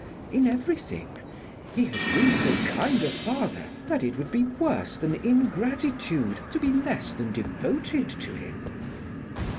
'In everything. He has been so kind a father, that it would be worse than ingratitude to be less than devoted to him.